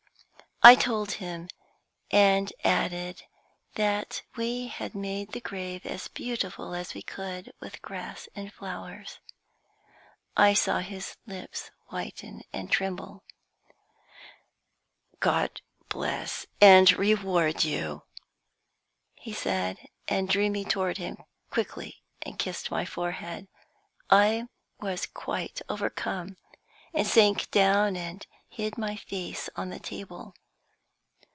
I told him, and added that we had made the grave as beautiful as we could with grass and flowers. I saw his lips whiten and tremble. "God bless and reward you!" he said, and drew me toward him quickly and kissed my forehead. I was quite overcome, and sank down and hid my face on the table.